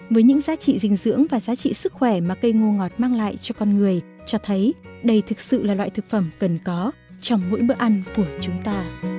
với những giá trị dinh dưỡng và giá trị sức khỏe mà cây ngô ngọt mang lại cho con người cho thấy đây thực sự là loại thực phẩm cần có trong mỗi bữa ăn của chúng ta